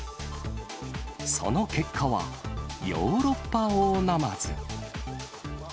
その結果は、ヨーロッパオオナマズ。